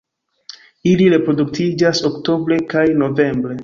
Ili reproduktiĝas oktobre kaj novembre.